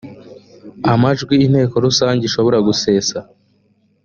amajwi inteko rusange ishobora gusesa